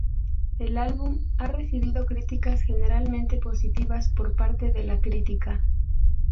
El álbum ha recibido críticas generalmente positivas por parte de la crítica.